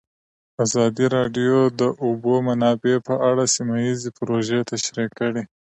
ازادي راډیو د د اوبو منابع په اړه سیمه ییزې پروژې تشریح کړې.